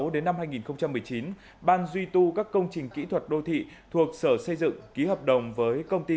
đến năm hai nghìn một mươi chín ban duy tu các công trình kỹ thuật đô thị thuộc sở xây dựng ký hợp đồng với công ty